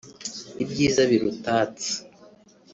ibyiza birutatse